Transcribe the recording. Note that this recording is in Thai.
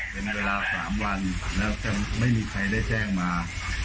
เป็นเวลา๓วันแล้วจะไม่มีใครได้แจ้งมา